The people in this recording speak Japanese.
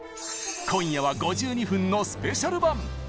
今夜は５２分のスペシャル版！